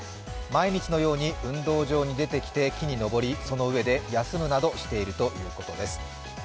毎日のように運動場に出てきて木に登り、その上で休むなどしているということです。